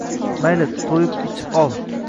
Mayli, to’yib ichib ol.